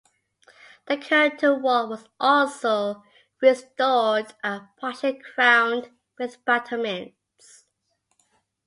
The curtain wall was also restored and partially crowned with battlements.